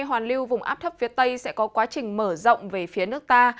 hoàn lưu vùng áp thấp phía tây sẽ có quá trình mở rộng về phía nước ta